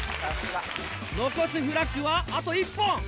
残すフラッグはあと１本。